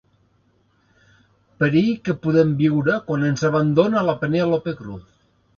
Perill que podem viure quan ens abandona la Penèlope Cruz.